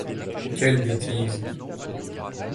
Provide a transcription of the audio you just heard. Quelle bêtise !